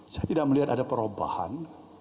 saya tidak melihat ada perubahan